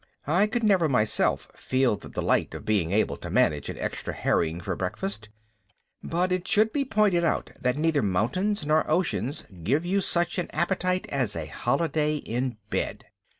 I could never myself feel the delight of being able to manage an extra herring for breakfast, but it should be pointed out that neither mountains nor oceans give you such an appetite as a holiday in bed.